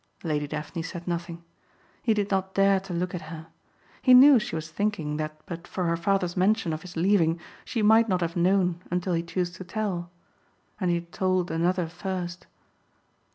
Lady Daphne said nothing. He did not dare to look at her. He knew she was thinking that but for her father's mention of his leaving she might not have known until he chose to tell; and he had told another first.